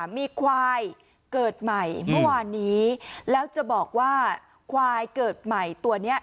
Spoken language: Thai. มีควายเกิดใหม่เมื่อวานนี้แล้วจะบอกว่าควายเกิดใหม่ตัวนี้